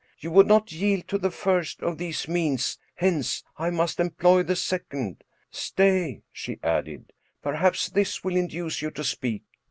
You would not yield to the first of these means, hence, I must employ the second. Stay," she added, " perhaps this will induce you to speak."